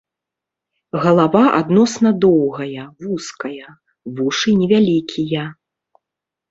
Галава адносна доўгая, вузкая, вушы невялікія.